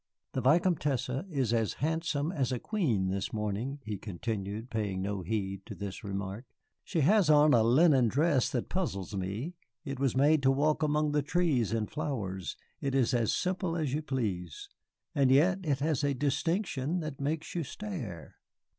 "The Vicomtesse is as handsome as a queen this morning," he continued paying no heed to this remark. "She has on a linen dress that puzzles me. It was made to walk among the trees and flowers, it is as simple as you please; and yet it has a distinction that makes you stare."